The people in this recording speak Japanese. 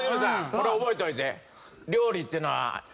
これ覚えといて。